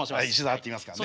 やってますからね。